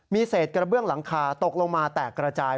มีเศษกระเบื้องหลังคาตกลงมาแตกระจาย